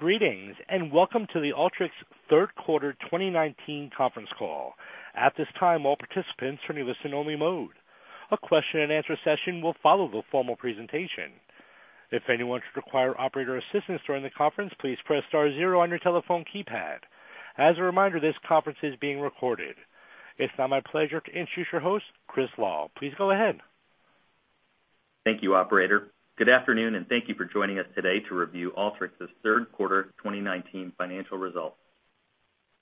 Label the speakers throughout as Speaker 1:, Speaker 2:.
Speaker 1: Greetings, and welcome to the Alteryx third quarter 2019 conference call. At this time, all participants are in listen-only mode. A question and answer session will follow the formal presentation. If anyone should require operator assistance during the conference, please press star zero on your telephone keypad. As a reminder, this conference is being recorded. It's now my pleasure to introduce your host, Chris Lal. Please go ahead.
Speaker 2: Thank you, operator. Good afternoon, and thank you for joining us today to review Alteryx's third quarter 2019 financial results.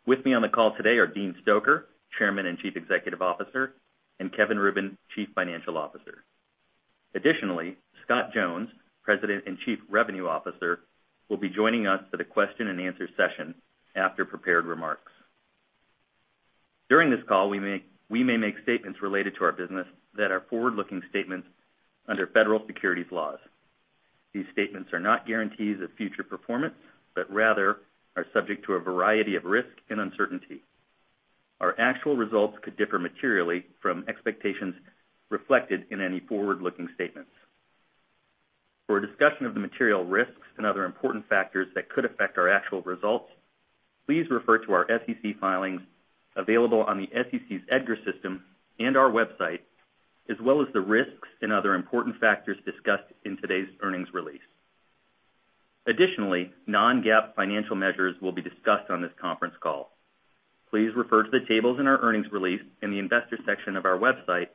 Speaker 2: With me on the call today are Dean Stoecker, Chairman and Chief Executive Officer, and Kevin Rubin, Chief Financial Officer. Additionally, Scott Jones, President and Chief Revenue Officer, will be joining us for the question and answer session after prepared remarks. During this call, we may make statements related to our business that are forward-looking statements under federal securities laws. These statements are not guarantees of future performance, but rather are subject to a variety of risks and uncertainty. Our actual results could differ materially from expectations reflected in any forward-looking statements. For a discussion of the material risks and other important factors that could affect our actual results, please refer to our SEC filings available on the SEC's EDGAR system and our website, as well as the risks and other important factors discussed in today's earnings release. Additionally, non-GAAP financial measures will be discussed on this conference call. Please refer to the tables in our earnings release in the investor section of our website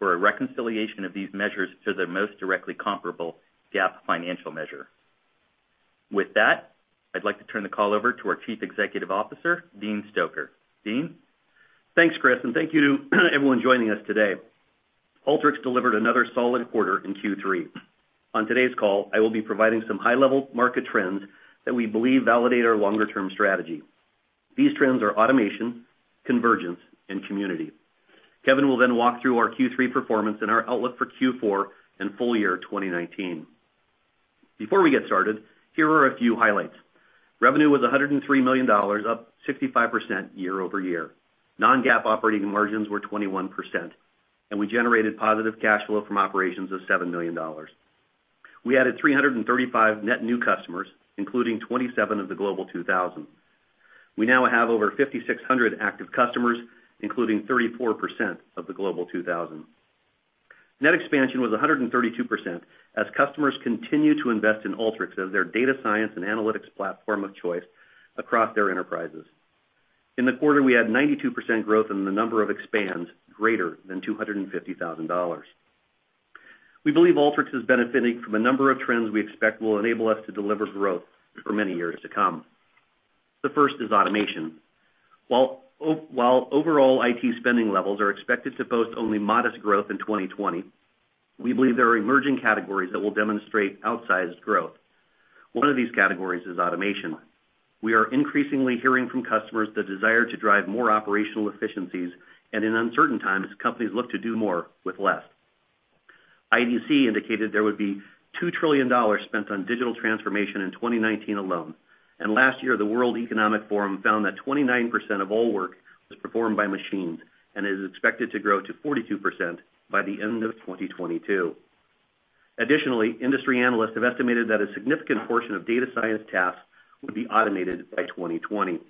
Speaker 2: for a reconciliation of these measures to their most directly comparable GAAP financial measure. With that, I'd like to turn the call over to our Chief Executive Officer, Dean Stoecker. Dean?
Speaker 3: Thanks, Chris, and thank you to everyone joining us today. Alteryx delivered another solid quarter in Q3. On today's call, I will be providing some high-level market trends that we believe validate our longer-term strategy. These trends are automation, convergence, and community. Kevin will walk through our Q3 performance and our outlook for Q4 and full year 2019. Before we get started, here are a few highlights. Revenue was $103 million, up 65% year-over-year. Non-GAAP operating margins were 21%, and we generated positive cash flow from operations of $7 million. We added 335 net new customers, including 27 of the Global 2000. We now have over 5,600 active customers, including 34% of the Global 2000. Net expansion was 132% as customers continue to invest in Alteryx as their data science and analytics platform of choice across their enterprises. In the quarter, we had 92% growth in the number of expands greater than $250,000. We believe Alteryx is benefiting from a number of trends we expect will enable us to deliver growth for many years to come. The first is automation. While overall IT spending levels are expected to post only modest growth in 2020, we believe there are emerging categories that will demonstrate outsized growth. One of these categories is automation. We are increasingly hearing from customers the desire to drive more operational efficiencies, and in uncertain times, companies look to do more with less. IDC indicated there would be $2 trillion spent on digital transformation in 2019 alone, and last year, the World Economic Forum found that 29% of all work was performed by machines and is expected to grow to 42% by the end of 2022. Additionally, industry analysts have estimated that a significant portion of data science tasks would be automated by 2020.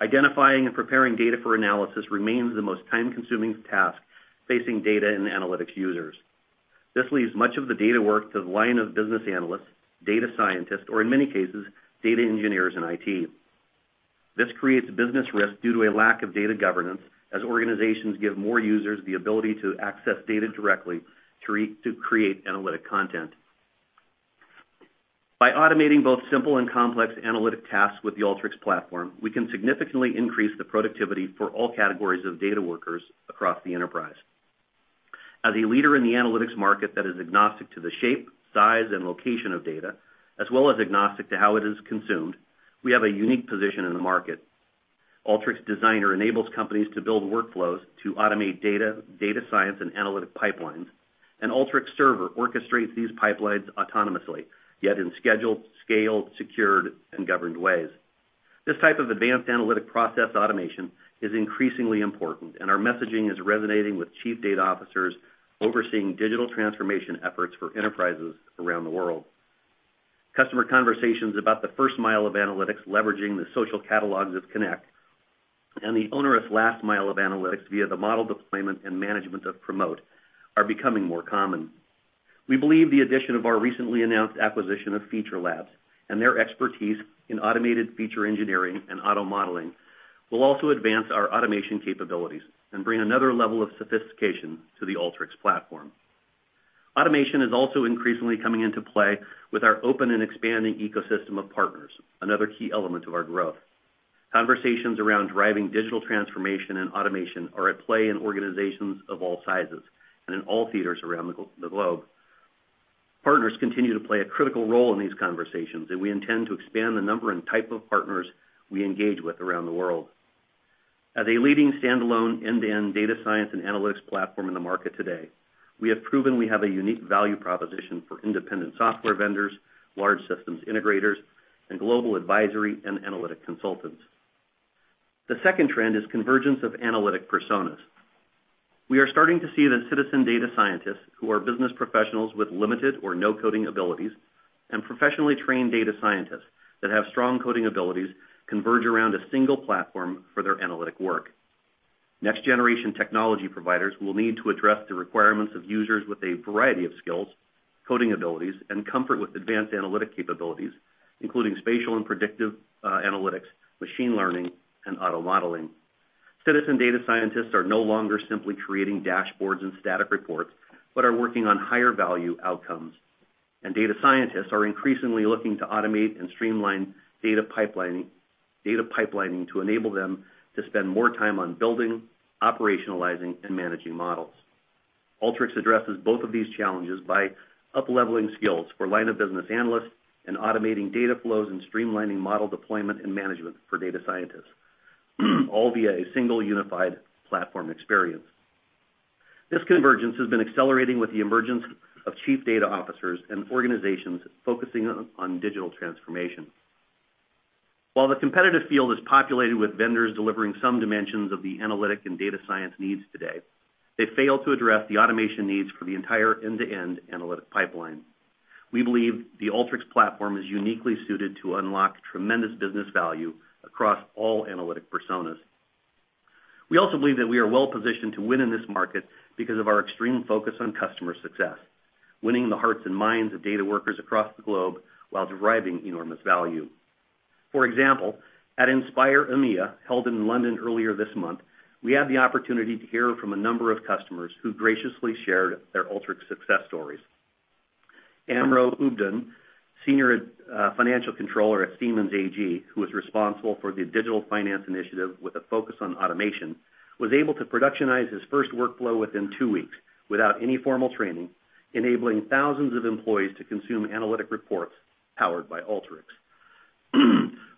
Speaker 3: Identifying and preparing data for analysis remains the most time-consuming task facing data and analytics users. This leaves much of the data work to the line of business analysts, data scientists, or in many cases, data engineers in IT. This creates business risk due to a lack of data governance as organizations give more users the ability to access data directly to create analytic content. By automating both simple and complex analytic tasks with the Alteryx platform, we can significantly increase the productivity for all categories of data workers across the enterprise. As a leader in the analytics market that is agnostic to the shape, size, and location of data, as well as agnostic to how it is consumed, we have a unique position in the market. Alteryx Designer enables companies to build workflows to automate data science, and analytic pipelines. Alteryx Server orchestrates these pipelines autonomously, yet in scheduled, scaled, secured, and governed ways. This type of advanced analytic process automation is increasingly important, and our messaging is resonating with chief data officers overseeing digital transformation efforts for enterprises around the world. Customer conversations about the first mile of analytics leveraging the social catalogs of Connect and the onerous last mile of analytics via the model deployment and management of Promote are becoming more common. We believe the addition of our recently announced acquisition of Feature Labs and their expertise in automated feature engineering and auto-modeling will also advance our automation capabilities and bring another level of sophistication to the Alteryx platform. Automation is also increasingly coming into play with our open and expanding ecosystem of partners, another key element of our growth. Conversations around driving digital transformation and automation are at play in organizations of all sizes and in all theaters around the globe. Partners continue to play a critical role in these conversations, and we intend to expand the number and type of partners we engage with around the world. As a leading standalone end-to-end data science and analytics platform in the market today, we have proven we have a unique value proposition for independent software vendors, large systems integrators, and global advisory and analytic consultants. The second trend is convergence of analytic personas. We are starting to see that citizen data scientists, who are business professionals with limited or no coding abilities, and professionally trained data scientists that have strong coding abilities converge around a single platform for their analytic work. Next-generation technology providers will need to address the requirements of users with a variety of skills, coding abilities, and comfort with advanced analytic capabilities, including spatial and predictive analytics, machine learning, and auto-modeling. Citizen data scientists are no longer simply creating dashboards and static reports, but are working on higher value outcomes. Data scientists are increasingly looking to automate and streamline data pipelining to enable them to spend more time on building, operationalizing, and managing models. Alteryx addresses both of these challenges by up-leveling skills for line of business analysts and automating data flows and streamlining model deployment and management for data scientists, all via a single unified platform experience. This convergence has been accelerating with the emergence of chief data officers and organizations focusing on digital transformation. While the competitive field is populated with vendors delivering some dimensions of the analytic and data science needs today, they fail to address the automation needs for the entire end-to-end analytic pipeline. We believe the Alteryx platform is uniquely suited to unlock tremendous business value across all analytic personas. We also believe that we are well-positioned to win in this market because of our extreme focus on customer success, winning the hearts and minds of data workers across the globe while deriving enormous value. For example, at Inspire EMEA, held in London earlier this month, we had the opportunity to hear from a number of customers who graciously shared their Alteryx success stories. Amro Abdoun, senior financial controller at Siemens AG, who is responsible for the digital finance initiative with a focus on automation, was able to productionize his first workflow within two weeks without any formal training, enabling thousands of employees to consume analytic reports powered by Alteryx.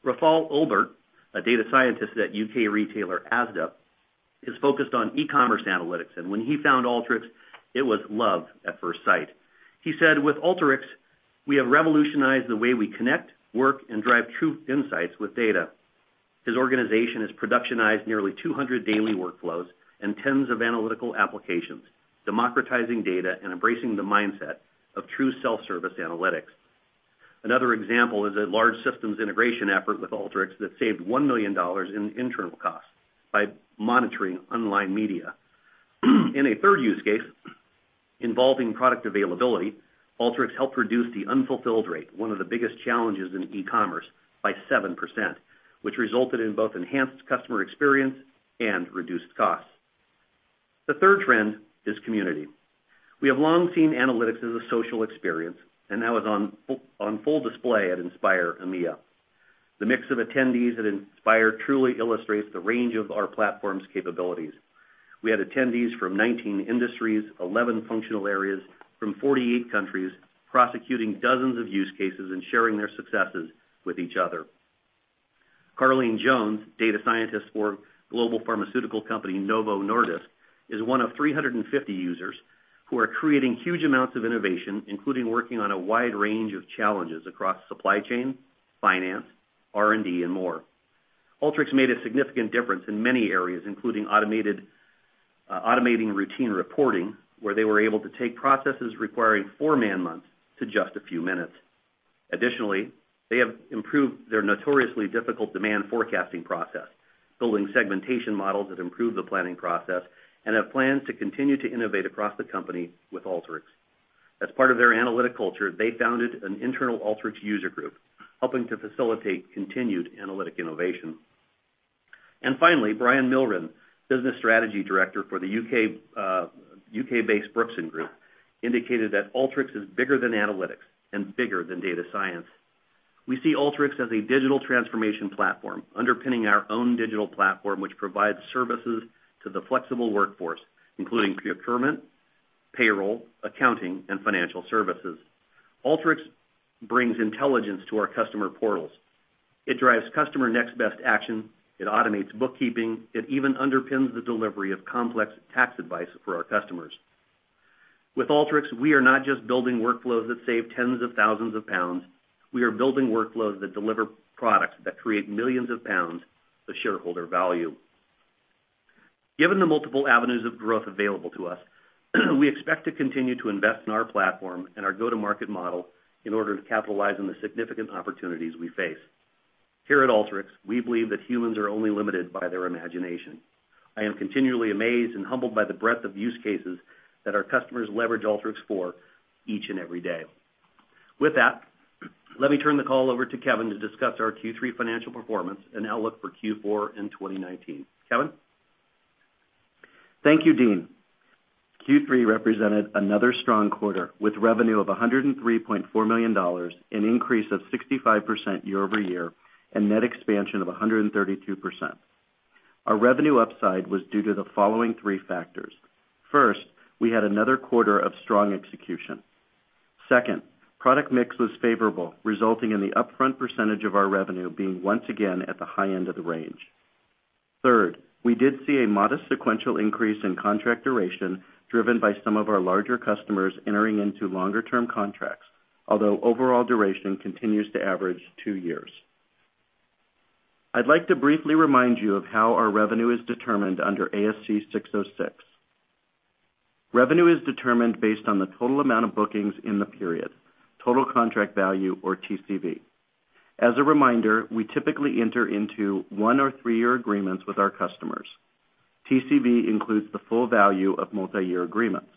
Speaker 3: Rafal Olbert, a data scientist at U.K. retailer Asda, is focused on e-commerce analytics, and when he found Alteryx, it was love at first sight. He said, "With Alteryx, we have revolutionized the way we connect, work, and drive true insights with data." His organization has productionized nearly 200 daily workflows and tens of analytical applications, democratizing data and embracing the mindset of true self-service analytics. Another example is a large systems integration effort with Alteryx that saved $1 million in internal costs by monitoring online media. In a third use case involving product availability, Alteryx helped reduce the unfulfilled rate, one of the biggest challenges in e-commerce, by 7%, which resulted in both enhanced customer experience and reduced costs. The third trend is community. We have long seen analytics as a social experience, and that was on full display at Inspire EMEA. The mix of attendees at Inspire truly illustrates the range of our platform's capabilities. We had attendees from 19 industries, 11 functional areas from 48 countries, prosecuting dozens of use cases and sharing their successes with each other. Caralyn Jones, data scientist for global pharmaceutical company Novo Nordisk, is one of 350 users who are creating huge amounts of innovation, including working on a wide range of challenges across supply chain, finance, R&D, and more. Alteryx made a significant difference in many areas, including automating routine reporting, where they were able to take processes requiring four man months to just a few minutes. They have improved their notoriously difficult demand forecasting process, building segmentation models that improve the planning process, and have plans to continue to innovate across the company with Alteryx. As part of their analytic culture, they founded an internal Alteryx user group, helping to facilitate continued analytic innovation. Finally, Brian Millrine, business strategy director for the U.K.-based Brookson Group, indicated that Alteryx is bigger than analytics and bigger than data science. We see Alteryx as a digital transformation platform underpinning our own digital platform, which provides services to the flexible workforce, including procurement, payroll, accounting, and financial services. Alteryx brings intelligence to our customer portals. It drives customer next best action. It automates bookkeeping. It even underpins the delivery of complex tax advice for our customers. With Alteryx, we are not just building workflows that save GBP tens of thousands. We are building workflows that deliver products that create millions pounds of shareholder value. Given the multiple avenues of growth available to us, we expect to continue to invest in our platform and our go-to-market model in order to capitalize on the significant opportunities we face. Here at Alteryx, we believe that humans are only limited by their imagination. I am continually amazed and humbled by the breadth of use cases that our customers leverage Alteryx for each and every day. With that, let me turn the call over to Kevin to discuss our Q3 financial performance and outlook for Q4 in 2019. Kevin?
Speaker 4: Thank you, Dean. Q3 represented another strong quarter with revenue of $103.4 million, an increase of 65% year-over-year, and net expansion of 132%. Our revenue upside was due to the following three factors. First, we had another quarter of strong execution. Second, product mix was favorable, resulting in the upfront percentage of our revenue being once again at the high end of the range. Third, we did see a modest sequential increase in contract duration, driven by some of our larger customers entering into longer-term contracts. Although overall duration continues to average two years. I'd like to briefly remind you of how our revenue is determined under ASC 606. Revenue is determined based on the total amount of bookings in the period, total contract value, or TCV. As a reminder, we typically enter into one or three-year agreements with our customers. TCV includes the full value of multi-year agreements.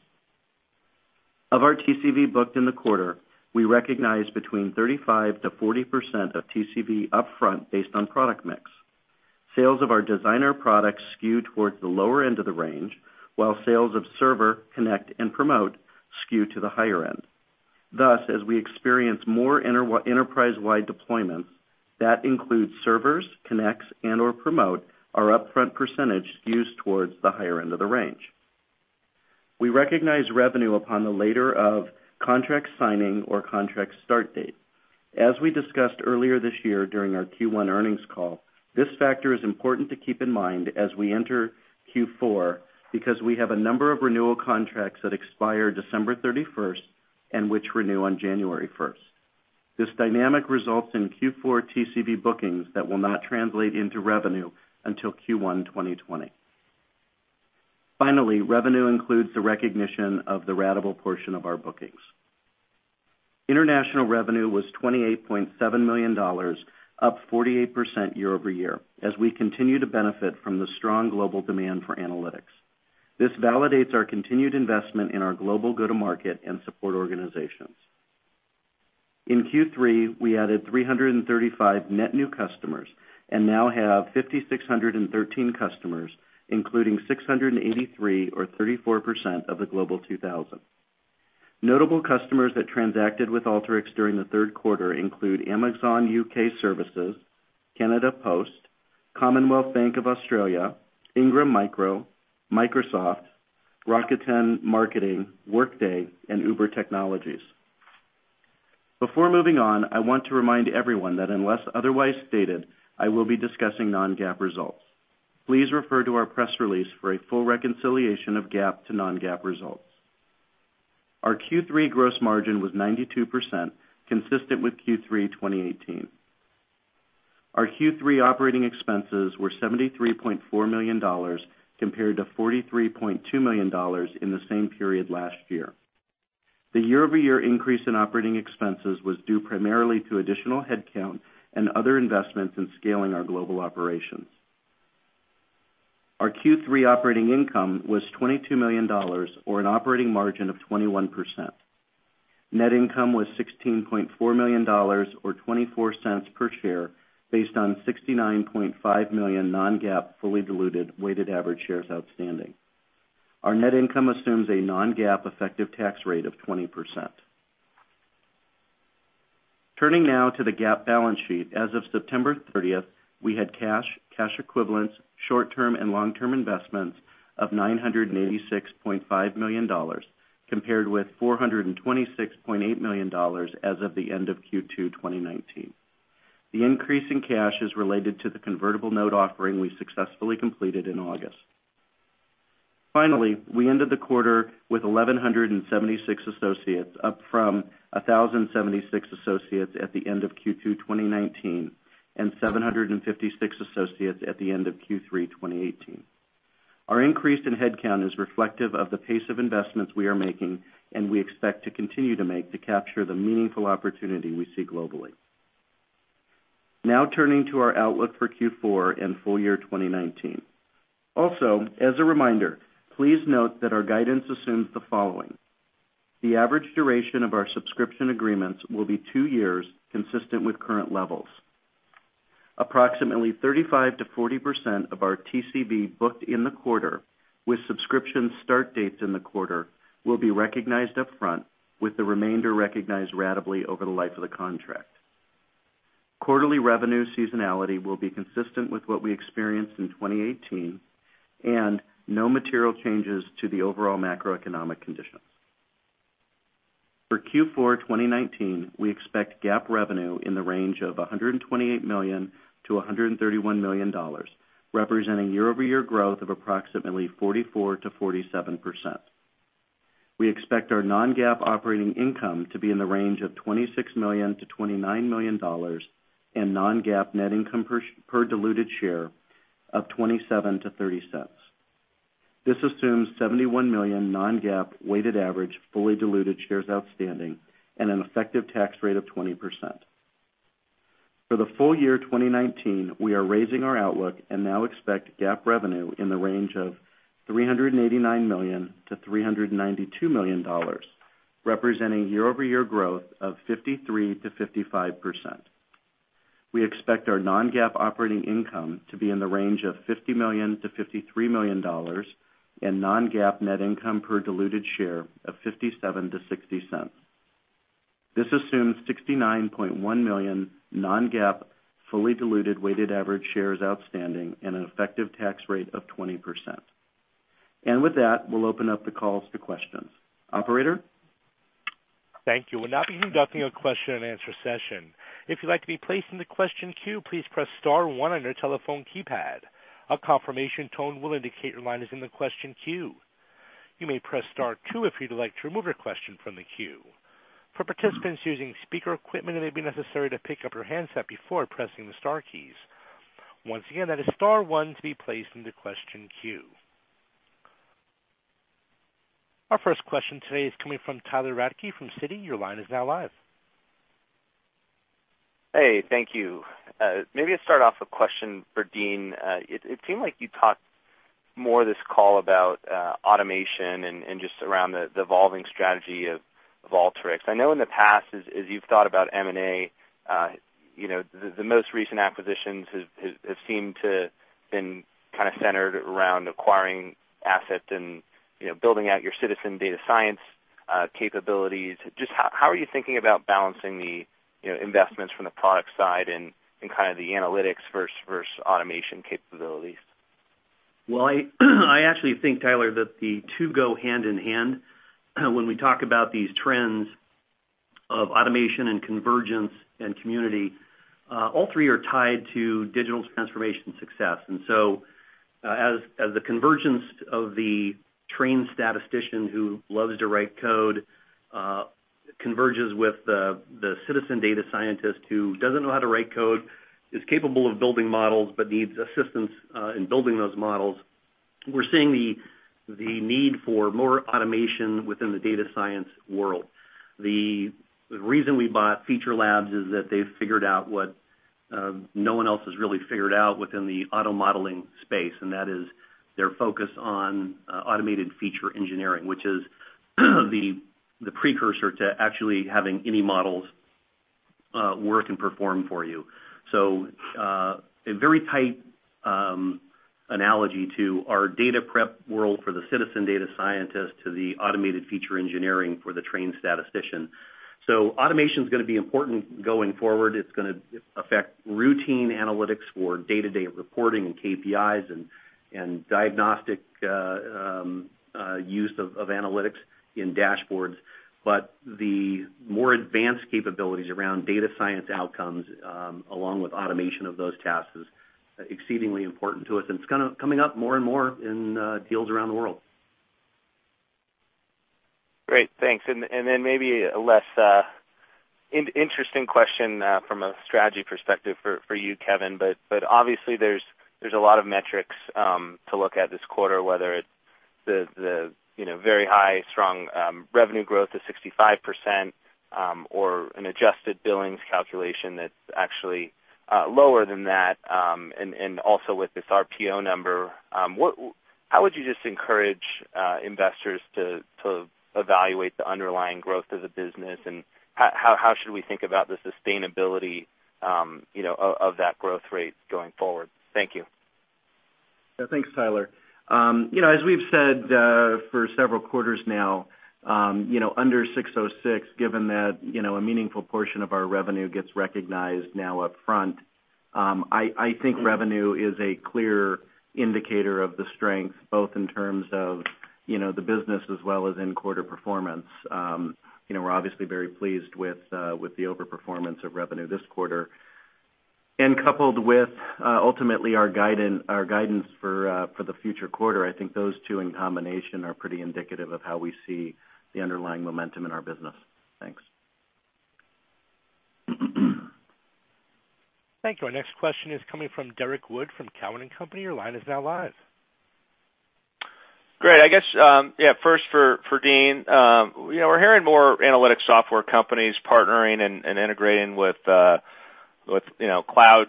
Speaker 4: Of our TCV booked in the quarter, we recognize between 35%-40% of TCV upfront based on product mix. Sales of our Alteryx Designer products skew towards the lower end of the range, while sales of Alteryx Server, Alteryx Connect, and Alteryx Promote skew to the higher end. Thus, as we experience more enterprise-wide deployments, that includes Alteryx Servers, Alteryx Connects, and/or Alteryx Promote our upfront percentage skews towards the higher end of the range. We recognize revenue upon the later of contract signing or contract start date. As we discussed earlier this year during our Q1 earnings call, this factor is important to keep in mind as we enter Q4 because we have a number of renewal contracts that expire December 31st and which renew on January 1st. This dynamic results in Q4 TCV bookings that will not translate into revenue until Q1 2020. Finally, revenue includes the recognition of the ratable portion of our bookings. International revenue was $28.7 million, up 48% year-over-year, as we continue to benefit from the strong global demand for analytics. This validates our continued investment in our global go-to-market and support organizations. In Q3, we added 335 net new customers and now have 5,613 customers, including 683 or 34% of the Global 2000. Notable customers that transacted with Alteryx during the third quarter include Amazon UK Services, Canada Post, Commonwealth Bank of Australia, Ingram Micro, Microsoft, Rakuten Marketing, Workday, and Uber Technologies. Before moving on, I want to remind everyone that unless otherwise stated, I will be discussing non-GAAP results. Please refer to our press release for a full reconciliation of GAAP to non-GAAP results. Our Q3 gross margin was 92%, consistent with Q3 2018. Our Q3 operating expenses were $73.4 million, compared to $43.2 million in the same period last year. The year-over-year increase in operating expenses was due primarily to additional headcount and other investments in scaling our global operations. Our Q3 operating income was $22 million, or an operating margin of 21%. Net income was $16.4 million or $0.24 per share based on 69.5 million non-GAAP fully diluted weighted average shares outstanding. Our net income assumes a non-GAAP effective tax rate of 20%. Turning now to the GAAP balance sheet. As of September 30th, we had cash equivalents, short-term and long-term investments of $986.5 million, compared with $426.8 million as of the end of Q2 2019. The increase in cash is related to the convertible note offering we successfully completed in August. Finally, we ended the quarter with 1,176 associates, up from 1,076 associates at the end of Q2 2019 and 756 associates at the end of Q3 2018. Our increase in headcount is reflective of the pace of investments we are making and we expect to continue to make to capture the meaningful opportunity we see globally. Now turning to our outlook for Q4 and full year 2019. Also, as a reminder, please note that our guidance assumes the following. The average duration of our subscription agreements will be two years, consistent with current levels. Approximately 35%-40% of our TCV booked in the quarter with subscription start dates in the quarter will be recognized up front, with the remainder recognized ratably over the life of the contract. Quarterly revenue seasonality will be consistent with what we experienced in 2018, and no material changes to the overall macroeconomic conditions. For Q4 2019, we expect GAAP revenue in the range of $128 million-$131 million, representing year-over-year growth of approximately 44%-47%. We expect our non-GAAP operating income to be in the range of $26 million-$29 million and non-GAAP net income per diluted share of $0.27-$0.30. This assumes 71 million non-GAAP weighted average fully diluted shares outstanding and an effective tax rate of 20%. For the full year 2019, we are raising our outlook and now expect GAAP revenue in the range of $389 million-$392 million, representing year-over-year growth of 53%-55%. We expect our non-GAAP operating income to be in the range of $50 million-$53 million and non-GAAP net income per diluted share of $0.57-$0.60. This assumes 69.1 million non-GAAP fully diluted weighted average shares outstanding and an effective tax rate of 20%. With that, we'll open up the calls to questions. Operator?
Speaker 1: Thank you. We'll now be conducting a question and answer session. If you'd like to be placed in the question queue, please press star one on your telephone keypad. A confirmation tone will indicate your line is in the question queue. You may press star two if you'd like to remove your question from the queue. For participants using speaker equipment, it may be necessary to pick up your handset before pressing the star keys. Once again, that is star one to be placed into question queue. Our first question today is coming from Tyler Radke from Citi. Your line is now live.
Speaker 5: Hey, thank you. Maybe I'll start off a question for Dean. It seemed like you talked more this call about automation and just around the evolving strategy of Alteryx. I know in the past, as you've thought about M&A, the most recent acquisitions have seemed to been kind of centered around acquiring assets and building out your citizen data science capabilities. Just how are you thinking about balancing the investments from the product side and kind of the analytics versus automation capabilities?
Speaker 3: Well, I actually think, Tyler, that the two go hand in hand when we talk about these trends of automation and convergence and community. All three are tied to digital transformation success. As the convergence of the trained statistician who loves to write code, converges with the citizen data scientist who doesn't know how to write code, is capable of building models, but needs assistance in building those models. We're seeing the need for more automation within the data science world. The reason we bought Feature Labs is that they've figured out what no one else has really figured out within the AutoML space, and that is their focus on automated feature engineering, which is the precursor to actually having any models work and perform for you. A very tight analogy to our data prep world for the citizen data scientist to the automated feature engineering for the trained statistician. Automation's going to be important going forward. It's going to affect routine analytics for day-to-day reporting and KPIs and diagnostic use of analytics in dashboards. The more advanced capabilities around data science outcomes, along with automation of those tasks, is exceedingly important to us, and it's coming up more and more in deals around the world.
Speaker 5: Great, thanks. Then maybe a less interesting question from a strategy perspective for you, Kevin, but obviously, there's a lot of metrics to look at this quarter, whether it's the very high, strong revenue growth of 65%, or an adjusted billings calculation that's actually lower than that. Also with this RPO number, how would you just encourage investors to evaluate the underlying growth of the business, and how should we think about the sustainability of that growth rate going forward? Thank you.
Speaker 4: Yeah, thanks, Tyler. As we've said for several quarters now, under ASC 606, given that a meaningful portion of our revenue gets recognized now up front, I think revenue is a clear indicator of the strength, both in terms of the business as well as in quarter performance. We're obviously very pleased with the over-performance of revenue this quarter. Coupled with ultimately our guidance for the future quarter, I think those two in combination are pretty indicative of how we see the underlying momentum in our business. Thanks.
Speaker 1: Thank you. Our next question is coming from Derrick Wood from Cowen and Company. Your line is now live.
Speaker 6: Great. I guess, yeah, first for Dean. We're hearing more analytic software companies partnering and integrating with cloud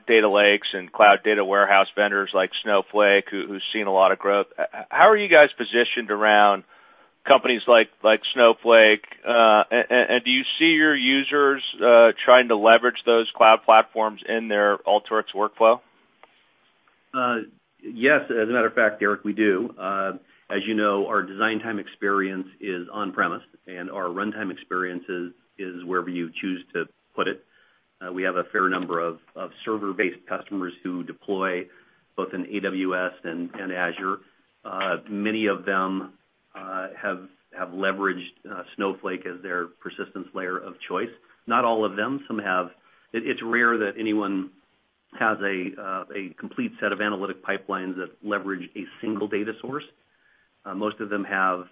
Speaker 6: data lakes and cloud data warehouse vendors like Snowflake, who's seen a lot of growth. How are you guys positioned around companies like Snowflake? Do you see your users trying to leverage those cloud platforms in their Alteryx workflow?
Speaker 3: Yes, as a matter of fact, Derrick, we do. As you know, our design time experience is on-premise, and our runtime experience is wherever you choose to put it. We have a fair number of server-based customers who deploy both in AWS and Azure. Many of them have leveraged Snowflake as their persistence layer of choice. Not all of them. It's rare that anyone has a complete set of analytic pipelines that leverage a single data source. Most of them have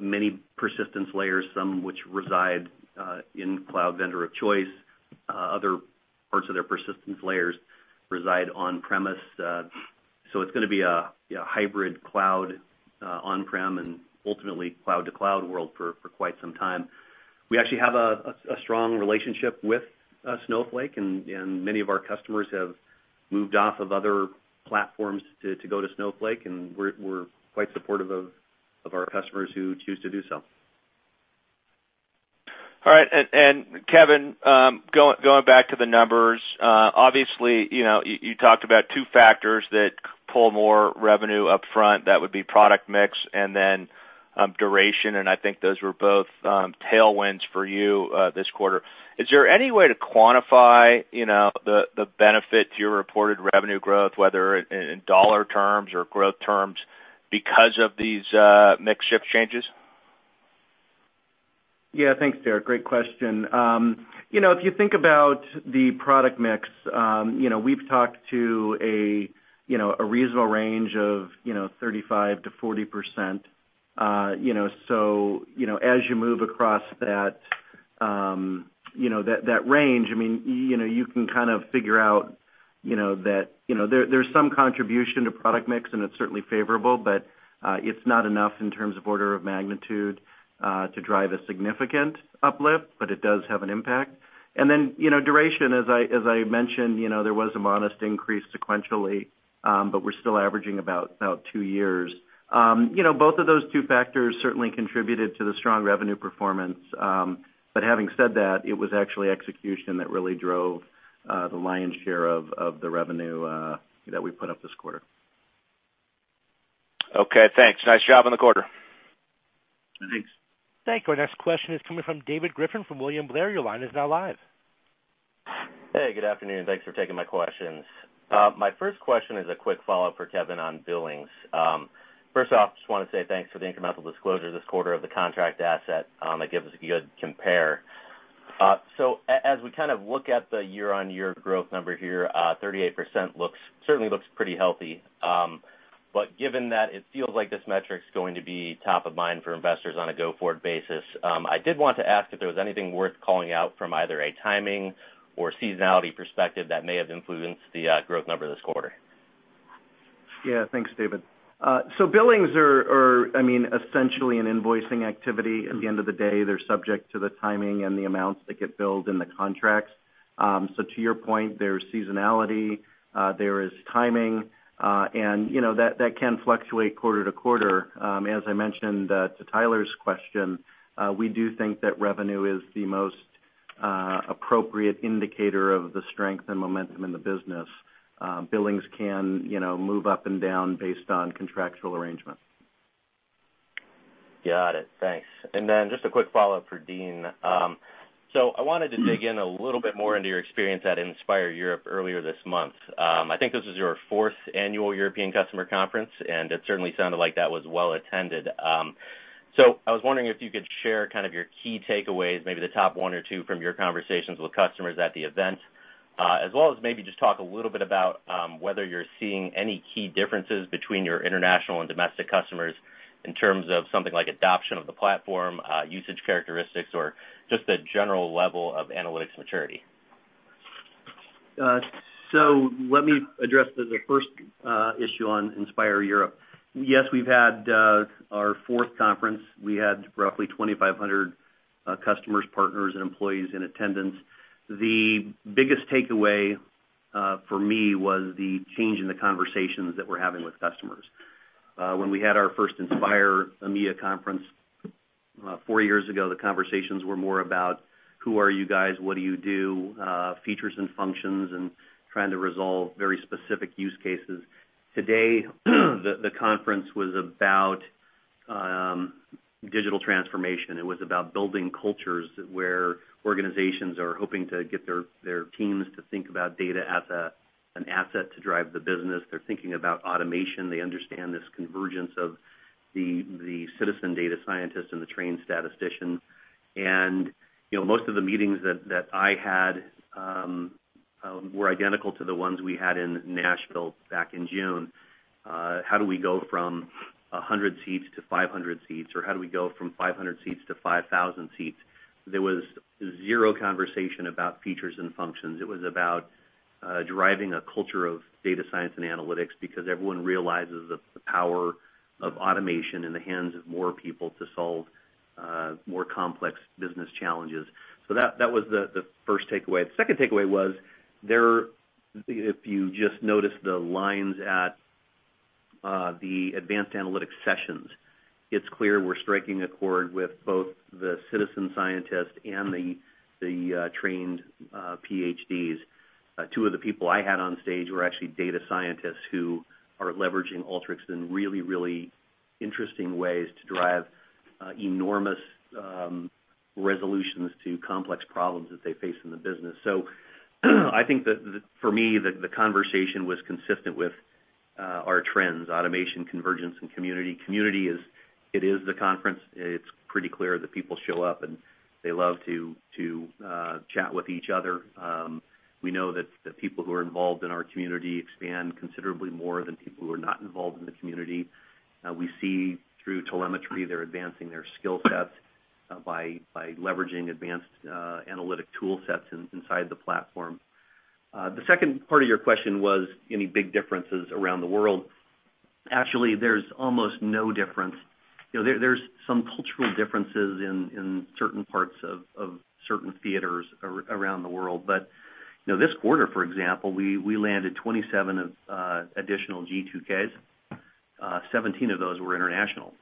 Speaker 3: many persistence layers, some of which reside in cloud vendor of choice. Other parts of their persistence layers reside on-premise. It's going to be a hybrid cloud, on-prem, and ultimately cloud-to-cloud world for quite some time. We actually have a strong relationship with Snowflake, and many of our customers have moved off of other platforms to go to Snowflake, and we're quite supportive of our customers who choose to do so.
Speaker 6: All right, Kevin, going back to the numbers. Obviously, you talked about two factors that pull more revenue up front. That would be product mix and then duration, and I think those were both tailwinds for you this quarter. Is there any way to quantify the benefit to your reported revenue growth, whether in dollar terms or growth terms because of these mix shift changes?
Speaker 4: Thanks, Derrick. Great question. If you think about the product mix, we've talked to a reasonable range of 35%-40%. As you move across that range, you can kind of figure out that there's some contribution to product mix, and it's certainly favorable, but it's not enough in terms of order of magnitude to drive a significant uplift, but it does have an impact. Duration, as I mentioned, there was a modest increase sequentially, but we're still averaging about two years. Both of those two factors certainly contributed to the strong revenue performance. Having said that, it was actually execution that really drove the lion's share of the revenue that we put up this quarter.
Speaker 6: Okay, thanks. Nice job on the quarter.
Speaker 4: Thanks.
Speaker 1: Thank you. Our next question is coming from David Griffin from William Blair. Your line is now live.
Speaker 7: Hey, good afternoon. Thanks for taking my questions. My first question is a quick follow-up for Kevin on billings. First off, just want to say thanks for the incremental disclosure this quarter of the contract asset. That gives us a good compare. As we kind of look at the year-on-year growth number here, 38% certainly looks pretty healthy. Given that it feels like this metric's going to be top of mind for investors on a go-forward basis, I did want to ask if there was anything worth calling out from either a timing or seasonality perspective that may have influenced the growth number this quarter.
Speaker 4: Thanks, David. Billings are essentially an invoicing activity. At the end of the day, they're subject to the timing and the amounts that get billed in the contracts. To your point, there's seasonality, there is timing, and that can fluctuate quarter to quarter. As I mentioned to Tyler's question, we do think that revenue is the most appropriate indicator of the strength and momentum in the business. Billings can move up and down based on contractual arrangements.
Speaker 7: Got it. Thanks. Just a quick follow-up for Dean. I wanted to dig in a little bit more into your experience at Inspire Europe earlier this month. I think this was your fourth annual European customer conference, and it certainly sounded like that was well attended. I was wondering if you could share kind of your key takeaways, maybe the top one or two from your conversations with customers at the event, as well as maybe just talk a little bit about whether you're seeing any key differences between your international and domestic customers in terms of something like adoption of the platform, usage characteristics, or just the general level of analytics maturity.
Speaker 3: Let me address the first issue on Inspire Europe. Yes, we've had our fourth conference. We had roughly 2,500 customers, partners, and employees in attendance. The biggest takeaway for me was the change in the conversations that we're having with customers. When we had our first Inspire EMEA conference four years ago, the conversations were more about who are you guys, what do you do, features and functions, and trying to resolve very specific use cases. Today, the conference was about digital transformation. It was about building cultures where organizations are hoping to get their teams to think about data as an asset to drive the business. They're thinking about automation. They understand this convergence of the citizen data scientist and the trained statistician. Most of the meetings that I had were identical to the ones we had in Nashville back in June. How do we go from 100 seats to 500 seats, or how do we go from 500 seats to 5,000 seats? There was zero conversation about features and functions. It was about deriving a culture of data science and analytics because everyone realizes the power of automation in the hands of more people to solve more complex business challenges. That was the first takeaway. The second takeaway was, if you just notice the lines at the advanced analytics sessions, it's clear we're striking a chord with both the citizen scientist and the trained PhDs. Two of the people I had on stage were actually data scientists who are leveraging Alteryx in really interesting ways to drive enormous resolutions to complex problems that they face in the business. I think that for me, the conversation was consistent with our trends, automation, convergence, and community. Community is the conference. It's pretty clear that people show up, and they love to chat with each other. We know that the people who are involved in our community expand considerably more than people who are not involved in the community. We see through telemetry, they're advancing their skill sets by leveraging advanced analytic tool sets inside the platform. The second part of your question was any big differences around the world. Actually, there's almost no difference. There's some cultural differences in certain parts of certain theaters around the world. This quarter, for example, we landed 27 additional G2Ks. 17 of those were international.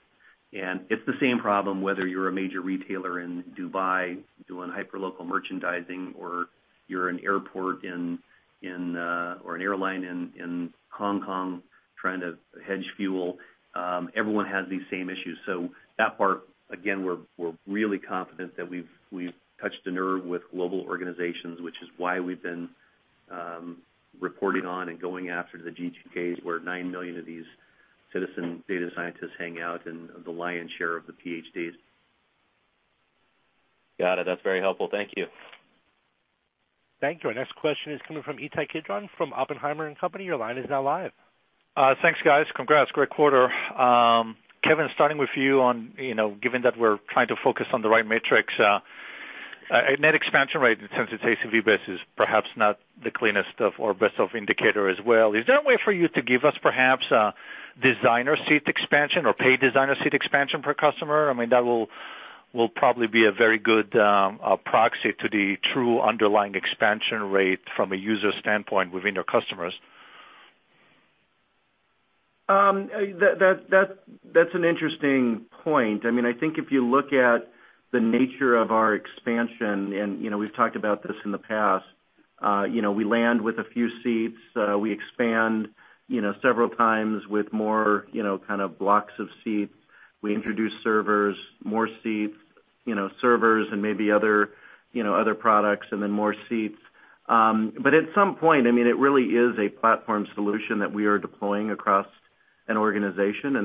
Speaker 3: It's the same problem, whether you're a major retailer in Dubai doing hyper local merchandising, or you're an airport or an airline in Hong Kong trying to hedge fuel. Everyone has these same issues. That part, again, we're really confident that we've touched a nerve with global organizations, which is why we've been reporting on and going after the G2Ks, where 9 million of these citizen data scientists hang out, and the lion's share of the PhDs.
Speaker 7: Got it. That's very helpful. Thank you.
Speaker 1: Thank you. Our next question is coming from Ittai Kidron from Oppenheimer and Company. Your line is now live.
Speaker 8: Thanks, guys. Congrats. Great quarter. Kevin, starting with you on, given that we're trying to focus on the right metrics, net expansion rate since it's ACV based is perhaps not the cleanest of or best of indicator as well. Is there a way for you to give us perhaps a Designer seat expansion or paid Designer seat expansion per customer? I mean, that will probably be a very good proxy to the true underlying expansion rate from a user standpoint within your customers.
Speaker 4: That's an interesting point. I think if you look at the nature of our expansion, and we've talked about this in the past. We land with a few seats. We expand several times with more kind of blocks of seats. We introduce servers, more seats, servers, and maybe other products, and then more seats. At some point, it really is a platform solution that we are deploying across an organization.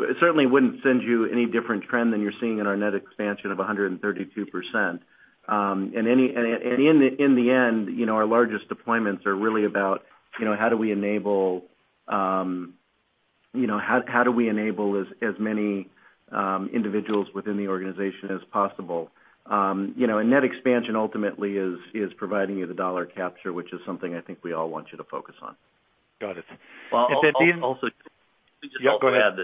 Speaker 4: It certainly wouldn't send you any different trend than you're seeing in our net expansion of 132%. In the end, our largest deployments are really about how do we enable as many individuals within the organization as possible. Net expansion ultimately is providing you the dollar capture, which is something I think we all want you to focus on.
Speaker 8: Got it.
Speaker 4: Also-
Speaker 8: Yeah, go ahead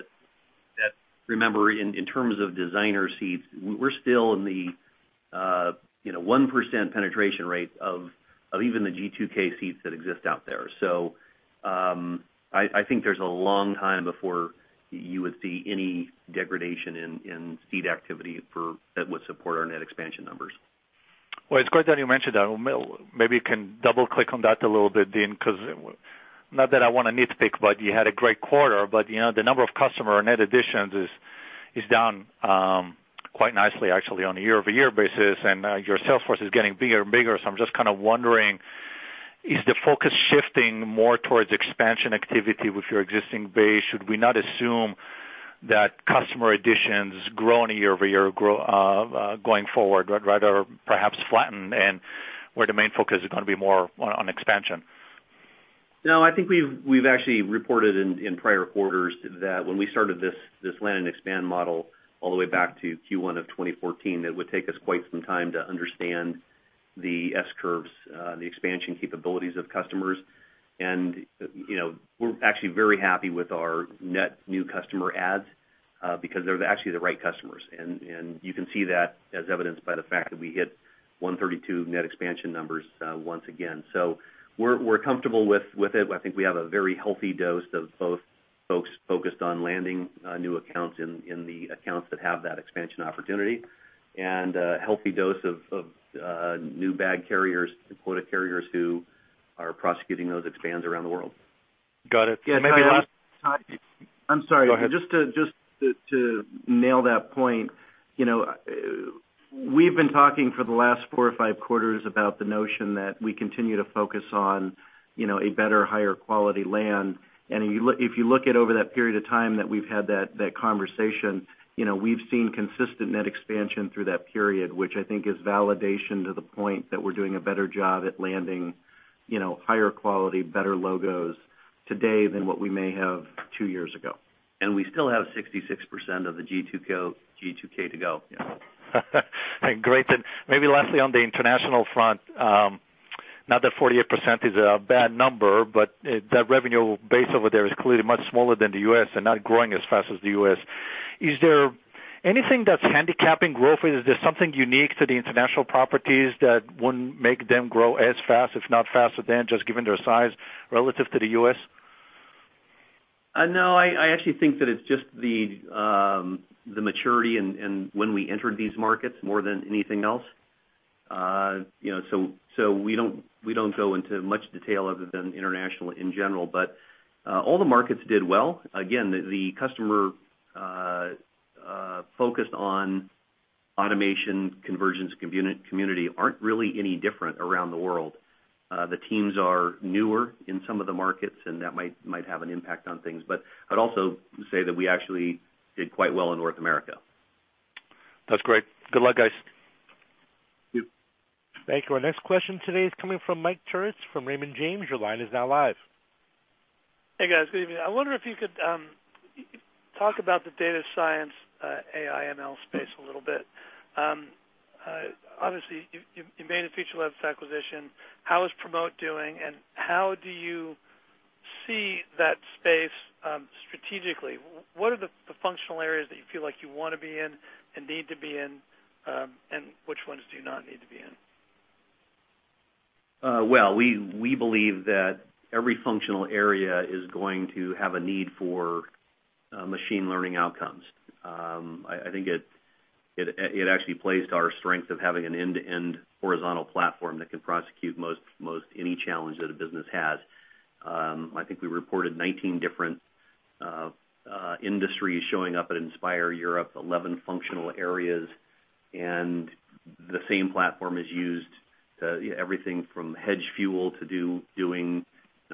Speaker 4: I'll add that, remember, in terms of Designer seats, we're still in the 1% penetration rate of even the G2K seats that exist out there. I think there's a long time before you would see any degradation in seat activity that would support our net expansion numbers.
Speaker 8: Well, it's great that you mentioned that. Maybe you can double-click on that a little bit, Dean, not that I want to nitpick, but you had a great quarter, but the number of customer net additions is down, quite nicely, actually, on a year-over-year basis, and your sales force is getting bigger and bigger. I'm just kind of wondering, is the focus shifting more towards expansion activity with your existing base? Should we not assume that customer additions growing year-over-year going forward, right? Perhaps flatten and where the main focus is going to be more on expansion?
Speaker 3: No, I think we've actually reported in prior quarters that when we started this land and expand model all the way back to Q1 of 2014, that would take us quite some time to understand the S-curves, the expansion capabilities of customers. We're actually very happy with our net new customer adds, because they're actually the right customers. You can see that as evidenced by the fact that we hit 132 net expansion numbers once again. We're comfortable with it. I think we have a very healthy dose of both folks focused on landing new accounts in the accounts that have that expansion opportunity and a healthy dose of new bag carriers, quota carriers who are prosecuting those expands around the world.
Speaker 8: Got it.
Speaker 4: Yeah, Ittai. Go ahead. Just to nail that point. We've been talking for the last four or five quarters about the notion that we continue to focus on a better, higher quality land. If you look at over that period of time that we've had that conversation, we've seen consistent net expansion through that period, which I think is validation to the point that we're doing a better job at landing higher quality, better logos today than what we may have two years ago.
Speaker 3: We still have 66% of the G2K to go.
Speaker 8: Great. Maybe lastly, on the international front, not that 48% is a bad number, that revenue base over there is clearly much smaller than the U.S. and not growing as fast as the U.S. Is there anything that's handicapping growth? Is there something unique to the international properties that wouldn't make them grow as fast, if not faster than just given their size relative to the U.S.?
Speaker 4: No, I actually think that it's just the maturity and when we entered these markets more than anything else. We don't go into much detail other than international in general, but all the markets did well. Again, the customer focused on automation convergence community aren't really any different around the world. The teams are newer in some of the markets, and that might have an impact on things. I'd also say that we actually did quite well in North America.
Speaker 8: That's great. Good luck, guys.
Speaker 4: Thank you.
Speaker 1: Thank you. Our next question today is coming from Michael Turits from Raymond James. Your line is now live.
Speaker 9: Hey, guys. Good evening. I wonder if you could talk about the data science AI/ML space a little bit. Obviously, you've made a Feature Labs acquisition. How is Promote doing, and how do you see that space, strategically? What are the functional areas that you feel like you want to be in and need to be in, and which ones do you not need to be in?
Speaker 3: Well, we believe that every functional area is going to have a need for machine learning outcomes. I think it actually plays to our strength of having an end-to-end horizontal platform that can prosecute most any challenge that a business has. I think we reported 19 different industries showing up at Inspire Europe, 11 functional areas. The same platform is used to everything from hedge fuel to doing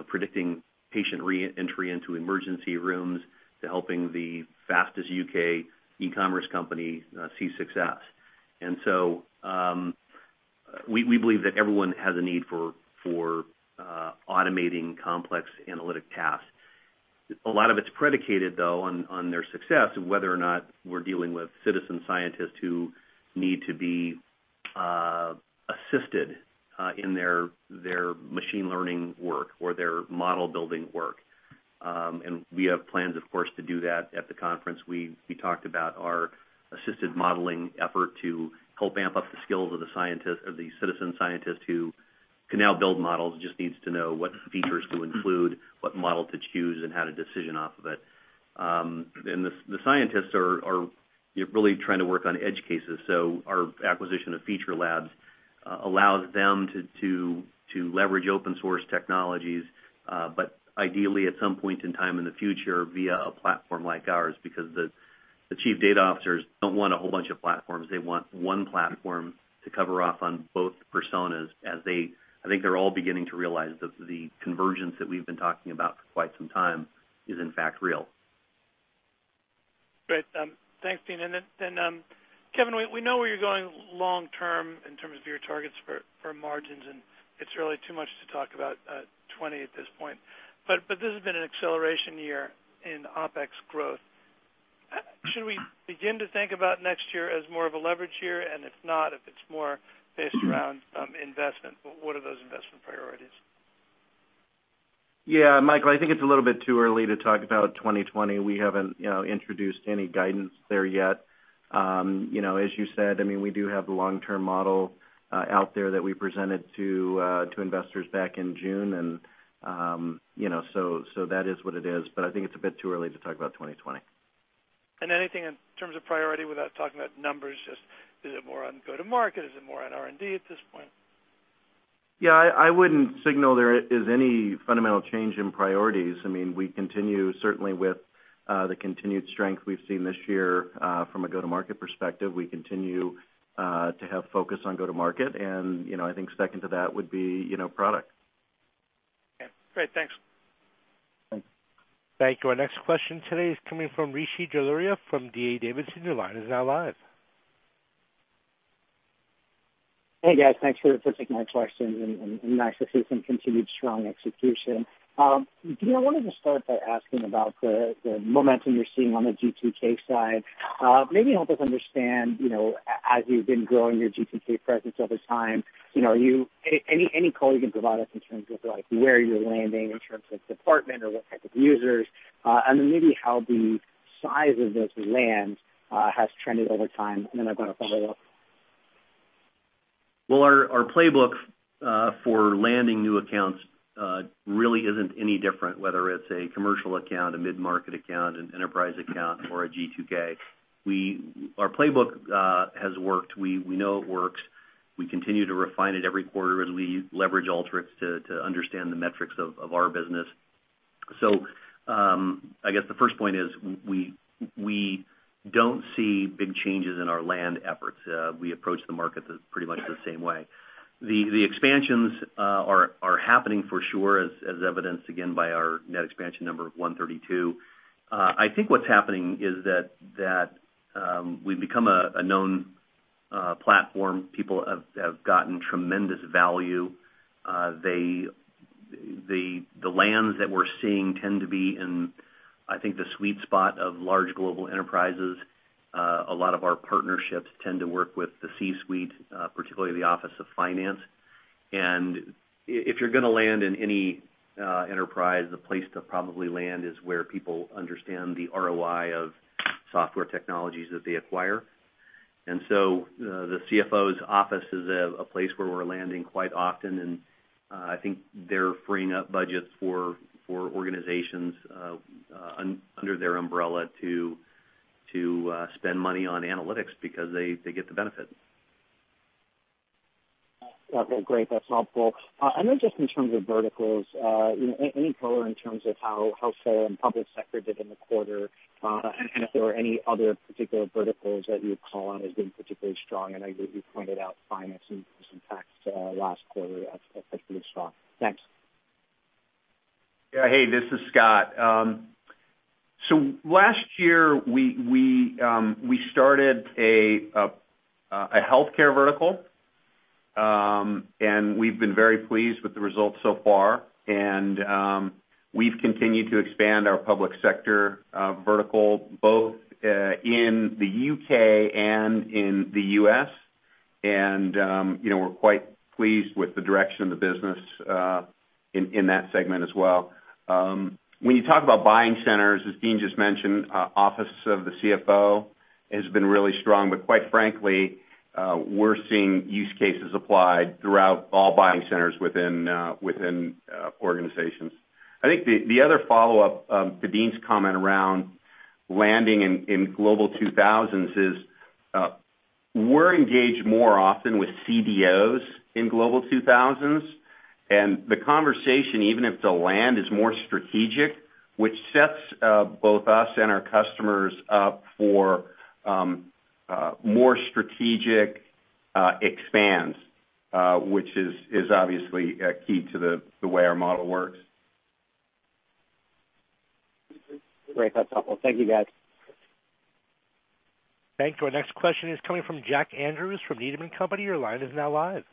Speaker 3: predicting patient re-entry into emergency rooms, to helping the fastest U.K. e-commerce company see success. We believe that everyone has a need for automating complex analytic tasks. A lot of it's predicated, though, on their success of whether or not we're dealing with citizen scientists who need to be assisted in their machine learning work or their model building work. We have plans, of course, to do that. At the conference, we talked about our assisted modeling effort to help amp up the skills of the citizen scientist who can now build models, just needs to know what features to include, what model to choose, and how to decision off of it. The scientists are really trying to work on edge cases. Our acquisition of Feature Labs allows them to leverage open source technologies. Ideally, at some point in time in the future via a platform like ours, because the chief data officers don't want a whole bunch of platforms. They want one platform to cover off on both personas as they, I think they're all beginning to realize that the convergence that we've been talking about for quite some time is in fact real.
Speaker 9: Great. Thanks, Dean. Kevin, we know where you're going long term in terms of your targets for margins, and it's really too much to talk about 2020 at this point. This has been an acceleration year in OpEx growth. Should we begin to think about next year as more of a leverage year? If not, if it's more based around investment, what are those investment priorities?
Speaker 4: Yeah, Michael, I think it's a little bit too early to talk about 2020. We haven't introduced any guidance there yet. As you said, we do have the long-term model out there that we presented to investors back in June, and so that is what it is. I think it's a bit too early to talk about 2020.
Speaker 9: Anything in terms of priority without talking about numbers, just is it more on go-to-market? Is it more on R&D at this point?
Speaker 4: Yeah, I wouldn't signal there is any fundamental change in priorities. We continue, certainly, with the continued strength we've seen this year from a go-to-market perspective. We continue to have focus on go-to-market, and I think second to that would be product.
Speaker 9: Okay, great. Thanks.
Speaker 4: Thanks.
Speaker 1: Thank you. Our next question today is coming from Rishi Jaluria from D.A. Davidson, your line is now live.
Speaker 10: Hey, guys. Thanks for taking my questions, and nice to see some continued strong execution. Dean, I wanted to start by asking about the momentum you're seeing on the G2K side. Maybe help us understand, as you've been growing your G2K presence over time, any color you can provide us in terms of where you're landing in terms of department or what type of users. Then maybe how the size of those lands has trended over time, and then I've got a follow-up.
Speaker 3: Well, our playbook for landing new accounts really isn't any different, whether it's a commercial account, a mid-market account, an enterprise account, or a G2K. Our playbook has worked. We know it works. We continue to refine it every quarter as we leverage Alteryx to understand the metrics of our business. So, I guess the first point is, we don't see big changes in our land efforts. We approach the market pretty much the same way. The expansions are happening for sure, as evidenced, again, by our net expansion number of 132. I think what's happening is that we've become a known platform. People have gotten tremendous value. The lands that we're seeing tend to be in, I think, the sweet spot of large global enterprises. A lot of our partnerships tend to work with the C-suite, particularly the Office of Finance. If you're going to land in any enterprise, the place to probably land is where people understand the ROI of software technologies that they acquire. The CFO's office is a place where we're landing quite often, and I think they're freeing up budgets for organizations under their umbrella to spend money on analytics because they get the benefit.
Speaker 10: Okay, great. That's helpful. Just in terms of verticals, any color in terms of how fair and public sector did in the quarter, and if there were any other particular verticals that you would call on as being particularly strong? I know you pointed out finance and tax last quarter as particularly strong. Thanks.
Speaker 11: Hey, this is Scott. Last year, we started a healthcare vertical, we've been very pleased with the results so far. We've continued to expand our public sector vertical, both in the U.K. and in the U.S. We're quite pleased with the direction of the business in that segment as well. When you talk about buying centers, as Dean just mentioned, office of the CFO has been really strong. Quite frankly, we're seeing use cases applied throughout all buying centers within organizations. I think the other follow-up to Dean's comment around Landing in Global 2000s, we're engaged more often with CDOs in Global 2000s. The conversation, even if the land is more strategic, which sets both us and our customers up for more strategic expands, which is obviously key to the way our model works.
Speaker 10: Great. That's helpful. Thank you, guys.
Speaker 1: Thank you. Our next question is coming from Jack Andrews from Needham & Company. Your line is now live.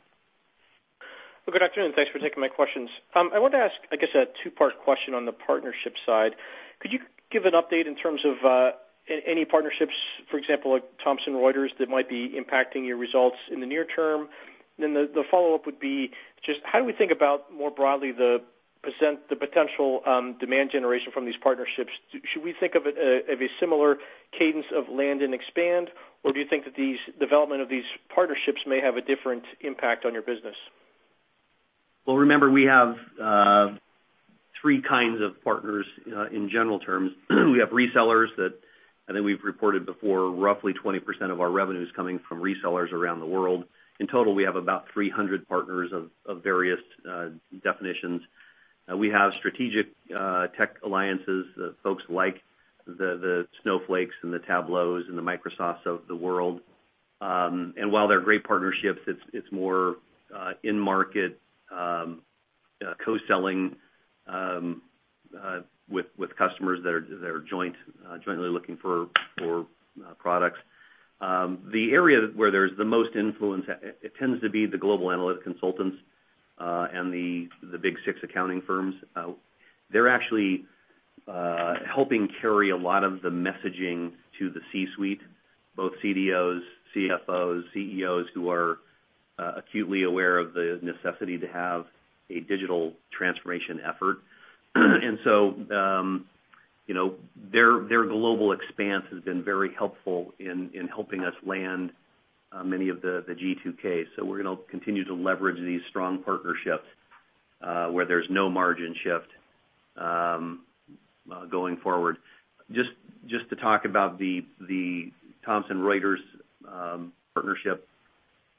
Speaker 12: Well, good afternoon. Thanks for taking my questions. I wanted to ask, I guess, a two-part question on the partnership side. Could you give an update in terms of any partnerships, for example, like Thomson Reuters, that might be impacting your results in the near term? The follow-up would be just how do we think about, more broadly, the potential demand generation from these partnerships? Should we think of a similar cadence of land and expand, or do you think that these development of these partnerships may have a different impact on your business?
Speaker 3: Well, remember, we have three kinds of partners in general terms. We have resellers that I think we've reported before, roughly 20% of our revenue is coming from resellers around the world. In total, we have about 300 partners of various definitions. We have strategic tech alliances, folks like the Snowflakes and the Tableaus and the Microsofts of the world. While they're great partnerships, it's more in-market co-selling with customers that are jointly looking for products. The area where there's the most influence, it tends to be the global analytic consultants, and the Big Four accounting firms. They're actually helping carry a lot of the messaging to the C-suite, both CDOs, CFOs, CEOs who are acutely aware of the necessity to have a digital transformation effort. Their global expanse has been very helpful in helping us land many of the G2K. We're going to continue to leverage these strong partnerships, where there's no margin shift going forward. Just to talk about the Thomson Reuters partnership,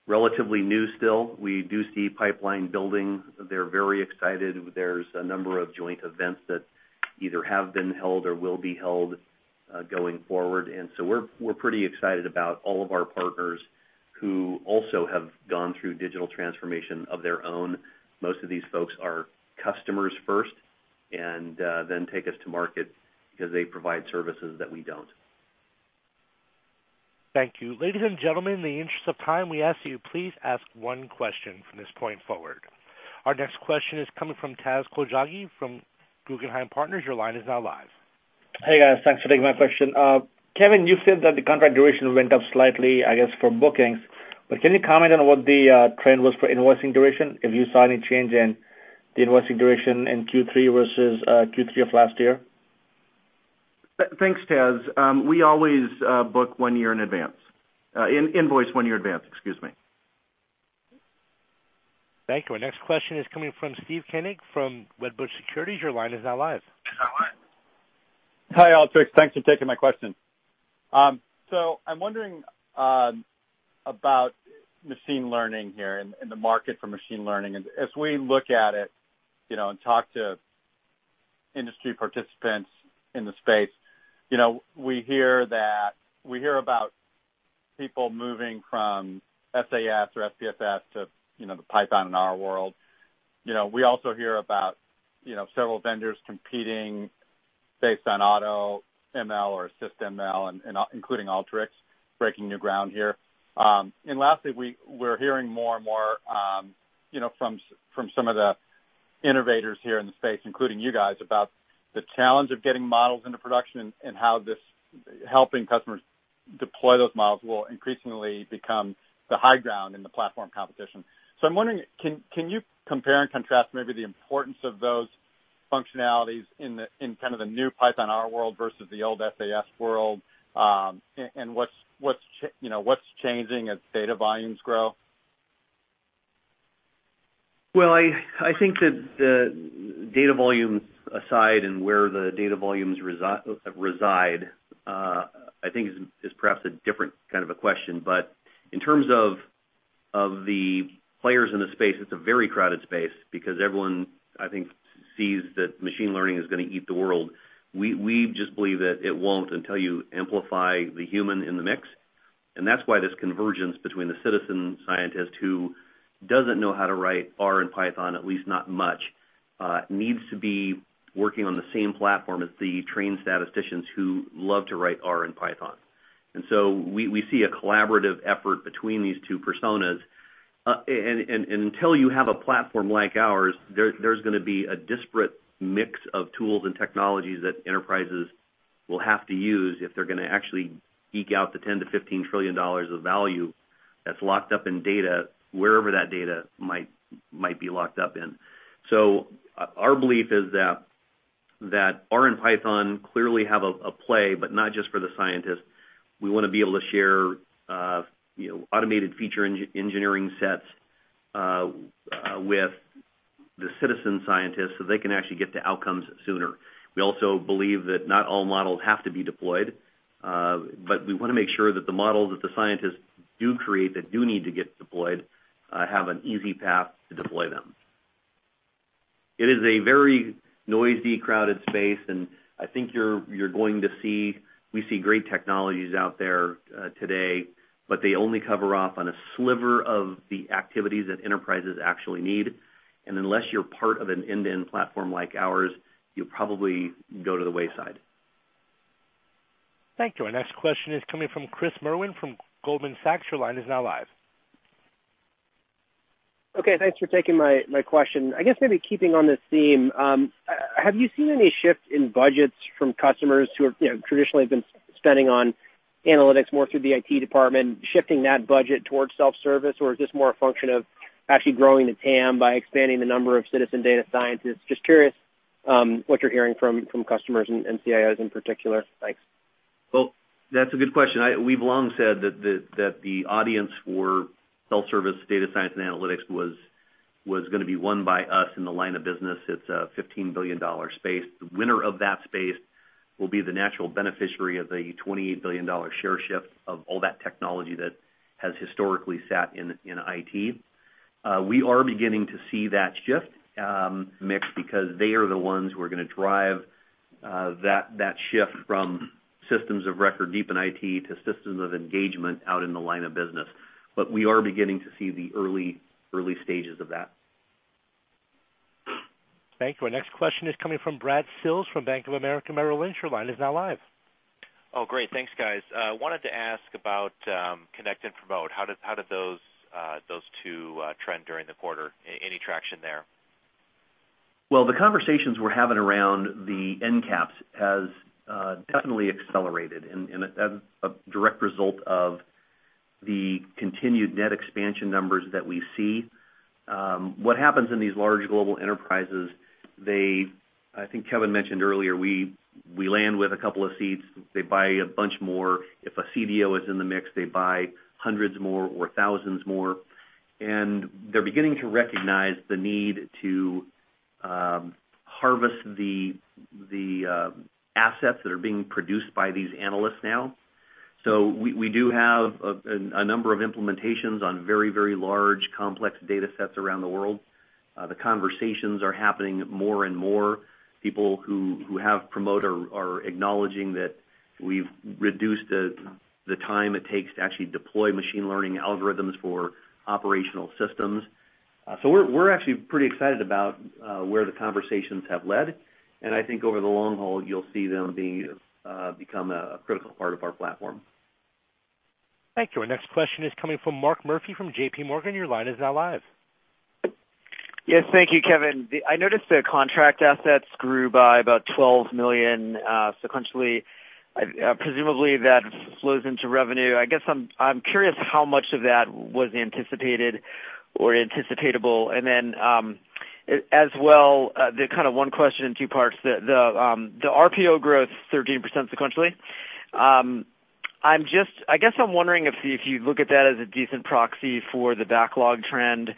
Speaker 3: relatively new still. We do see pipeline building. They're very excited. There's a number of joint events that either have been held or will be held going forward. We're pretty excited about all of our partners who also have gone through digital transformation of their own. Most of these folks are customers first and then take us to market because they provide services that we don't.
Speaker 1: Thank you. Ladies and gentlemen, in the interest of time, we ask you please ask one question from this point forward. Our next question is coming from Taz Koujalgi from Guggenheim Partners. Your line is now live.
Speaker 13: Hey, guys. Thanks for taking my question. Kevin, you said that the contract duration went up slightly, I guess, for bookings. Can you comment on what the trend was for invoicing duration, if you saw any change in the invoicing duration in Q3 versus Q3 of last year?
Speaker 4: Thanks, Taz. We always invoice one year in advance, excuse me.
Speaker 1: Thank you. Our next question is coming from Steve Koenig from Wedbush Securities. Your line is now live.
Speaker 14: Hi, Alteryx. Thanks for taking my question. I'm wondering about machine learning here and the market for machine learning. As we look at it and talk to industry participants in the space, we hear about people moving from SAS or SPSS to the Python in our world. We also hear about several vendors competing based on AutoML or assisted ML, including Alteryx, breaking new ground here. Lastly, we're hearing more and more from some of the innovators here in the space, including you guys, about the challenge of getting models into production and how this helping customers deploy those models will increasingly become the high ground in the platform competition. I'm wondering, can you compare and contrast maybe the importance of those functionalities in kind of the new Python R world versus the old SAS world? What's changing as data volumes grow?
Speaker 3: Well, I think that the data volume aside and where the data volumes reside, I think is perhaps a different kind of a question. In terms of the players in the space, it's a very crowded space because everyone, I think, sees that machine learning is going to eat the world. We just believe that it won't until you amplify the human in the mix. That's why this convergence between the citizen scientist who doesn't know how to write R and Python, at least not much, needs to be working on the same platform as the trained statisticians who love to write R and Python. We see a collaborative effort between these two personas. Until you have a platform like ours, there's going to be a disparate mix of tools and technologies that enterprises will have to use if they're going to actually eke out the $10 trillion-$15 trillion of value that's locked up in data, wherever that data might be locked up in. Our belief is that R and Python clearly have a play, but not just for the scientists. We want to be able to share automated feature engineering sets with the citizen scientists, so they can actually get to outcomes sooner. We also believe that not all models have to be deployed, but we want to make sure that the models that the scientists do create, that do need to get deployed, have an easy path to deploy them. It is a very noisy, crowded space. We see great technologies out there today, but they only cover off on a sliver of the activities that enterprises actually need. Unless you're part of an end-to-end platform like ours, you'll probably go to the wayside.
Speaker 1: Thank you. Our next question is coming from Chris Merwin from Goldman Sachs. Your line is now live.
Speaker 15: Okay. Thanks for taking my question. I guess maybe keeping on this theme, have you seen any shifts in budgets from customers who have traditionally been spending on analytics more through the IT department, shifting that budget towards self-service, or is this more a function of actually growing the TAM by expanding the number of citizen data scientists? Just curious what you're hearing from customers and CIOs in particular. Thanks.
Speaker 3: Well, that's a good question. We've long said that the audience for self-service data science and analytics was going to be won by us in the line of business. It's a $15 billion space. The winner of that space will be the natural beneficiary of the $28 billion share shift of all that technology that has historically sat in IT. We are beginning to see that shift mix because they are the ones who are going to drive that shift from systems of record deep in IT to systems of engagement out in the line of business. We are beginning to see the early stages of that.
Speaker 1: Thank you. Our next question is coming from Brad Sills from Bank of America Merrill Lynch. Your line is now live.
Speaker 16: Oh, great. Thanks, guys. I wanted to ask about Connect and Promote. How did those two trend during the quarter? Any traction there?
Speaker 3: The conversations we're having around the end caps has definitely accelerated in a direct result of the continued net expansion numbers that we see. What happens in these large global enterprises, I think Kevin mentioned earlier, we land with a couple of seats. They buy a bunch more. If a CDO is in the mix, they buy hundreds more or thousands more, and they're beginning to recognize the need to harvest the assets that are being produced by these analysts now. We do have a number of implementations on very large, complex data sets around the world. The conversations are happening more and more. People who have Promote are acknowledging that we've reduced the time it takes to actually deploy machine learning algorithms for operational systems. We're actually pretty excited about where the conversations have led, and I think over the long haul, you'll see them become a critical part of our platform.
Speaker 1: Thank you. Our next question is coming from Mark Murphy from J.P. Morgan. Your line is now live.
Speaker 17: Yes. Thank you, Kevin. I noticed the contract assets grew by about $12 million sequentially. Presumably, that flows into revenue. I guess I'm curious how much of that was anticipated or anticipatable. As well, the kind of one question in two parts, the RPO growth 13% sequentially. I guess I'm wondering if you look at that as a decent proxy for the backlog trend,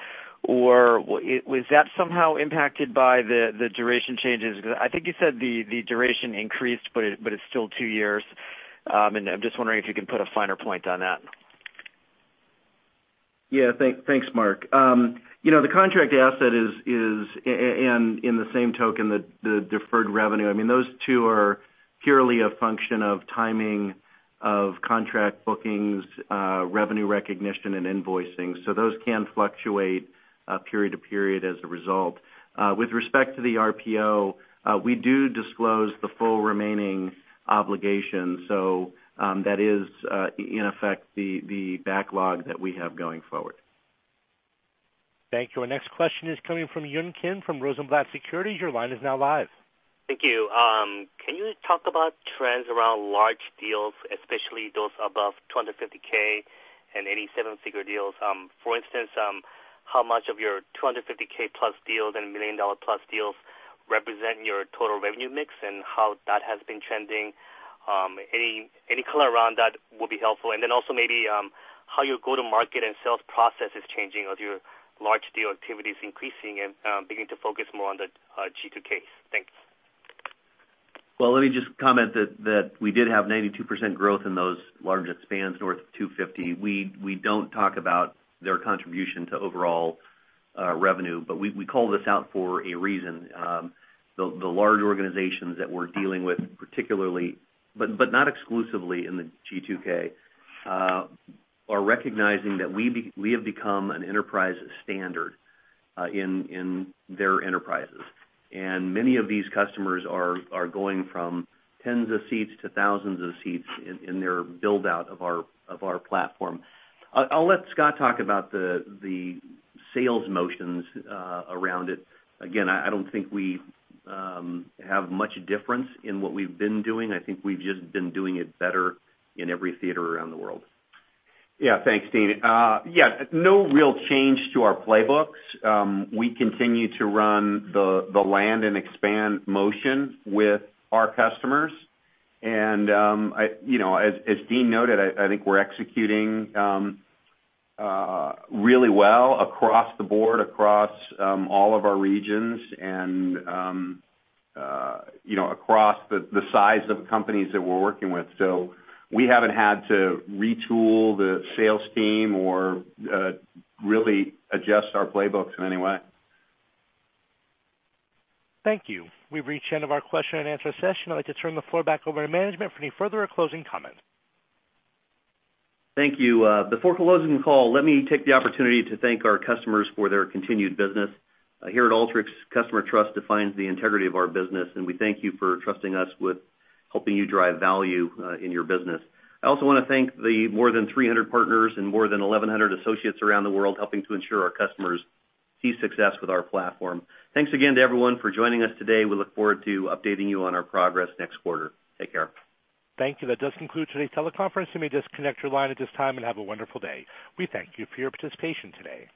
Speaker 17: or was that somehow impacted by the duration changes? I think you said the duration increased, but it's still two years. I'm just wondering if you can put a finer point on that.
Speaker 4: Yeah. Thanks, Mark. The contract asset is in the same token, the deferred revenue. Those two are purely a function of timing of contract bookings, revenue recognition, and invoicing. Those can fluctuate period to period as a result. With respect to the RPO, we do disclose the full remaining obligation, so that is, in effect, the backlog that we have going forward.
Speaker 1: Thank you. Our next question is coming from Hoi-Yoon Kim from Rosenblatt Securities. Your line is now live.
Speaker 18: Thank you. Can you talk about trends around large deals, especially those above $250K and any seven-figure deals? For instance, how much of your $250K-plus deals and million-dollar-plus deals represent your total revenue mix and how that has been trending? Any color around that will be helpful. Then also maybe how your go-to-market and sales process is changing as your large deal activity is increasing and beginning to focus more on the G2K. Thanks.
Speaker 3: Let me just comment that we did have 92% growth in those larger spans north of 250. We don't talk about their contribution to overall revenue, we call this out for a reason. The large organizations that we're dealing with, particularly, but not exclusively in the G2K, are recognizing that we have become an enterprise standard in their enterprises. Many of these customers are going from tens of seats to thousands of seats in their build-out of our platform. I'll let Scott talk about the sales motions around it. Again, I don't think we have much difference in what we've been doing. I think we've just been doing it better in every theater around the world.
Speaker 11: Yeah. Thanks, Dean. Yeah, no real change to our playbooks. We continue to run the land and expand motion with our customers. As Dean noted, I think we're executing really well across the board, across all of our regions, and across the size of companies that we're working with. We haven't had to retool the sales team or really adjust our playbooks in any way.
Speaker 1: Thank you. We've reached the end of our question and answer session. I'd like to turn the floor back over to management for any further closing comments.
Speaker 3: Thank you. Before closing the call, let me take the opportunity to thank our customers for their continued business. Here at Alteryx, customer trust defines the integrity of our business, and we thank you for trusting us with helping you drive value in your business. I also want to thank the more than 300 partners and more than 1,100 associates around the world helping to ensure our customers see success with our platform. Thanks again to everyone for joining us today. We look forward to updating you on our progress next quarter. Take care.
Speaker 1: Thank you. That does conclude today's teleconference. You may disconnect your line at this time and have a wonderful day. We thank you for your participation today.